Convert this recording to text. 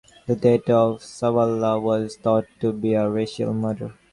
The death of Shabalala was thought to be a racial murder.